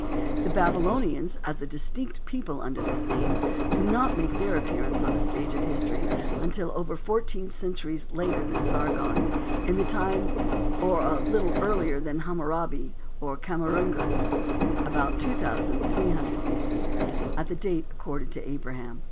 The Babylonians, as a distinct people under this name, do not make their appearance on the stage of history until over fourteen centuries later than Sargon, in the time or a little earlier than Hammurabi, or Khammuragas, about 2300 B. C., at the date accorded to Abraham.